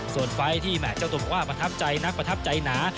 ส่วนไฟล์ที่แห่เจ้าตัวบอกว่าประทับใจนักประทับใจหนา